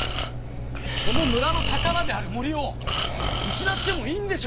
この村のたからである森を失ってもいいんでしょうか？